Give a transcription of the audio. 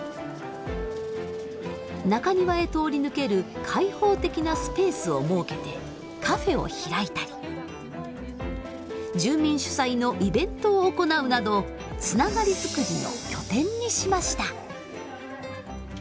中庭へ通り抜ける開放的なスペースを設けてカフェを開いたり住民主催のイベントを行うなどつながり作りの拠点にしました。